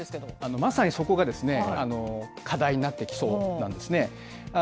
まさにそこが課題になってきそうなんですね。